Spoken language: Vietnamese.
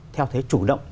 theo thế chủ động